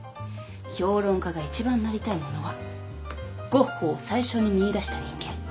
評論家が一番なりたいものはゴッホを最初に見いだした人間。